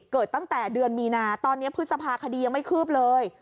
เกิดตั้งแต่เดือนมีนาตอนนี้พฤษภาคียังไม่คืบเลย